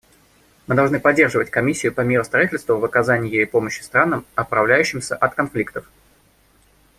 Мы должны поддерживать Комиссию по миростроительству в оказании ею помощи странам, оправляющимся от конфликтов.